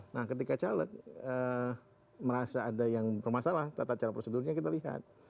nah ketika caleg merasa ada yang bermasalah tata cara prosedurnya kita lihat